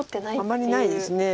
あまりないです。